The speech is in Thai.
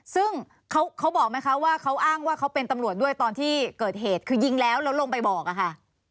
ซึ่งเขาบอกไหมคะว่าเขาอ้างว่าเขาเป็นตำรวจด้วยตอนที่เกิดเหตุคือยิงแล้วแล้วลงไปบอกอะค่ะ